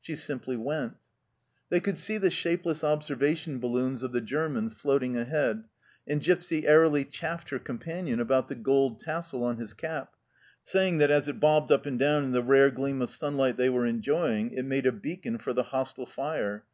She simply went. They could see the shapeless observation balloons of the Germans floating ahead, and Gipsy airily chaffed her companion about the gold tassel on his cap, saying that as it bobbed up and down in the rare gleam of sunlight they were enjoying it made a beacon for the hostile fire.